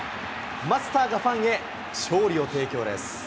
マスターがファンへ、勝利を提供です。